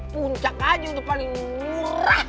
puncak aja tuh paling murah